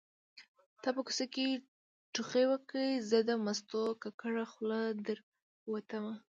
تا په کوڅه کې ټوخی وکړ زه د مستو ککړه خوله در ووتمه